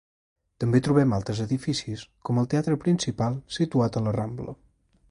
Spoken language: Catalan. També trobem altres edificis com el Teatre Principal, situat a la Rambla.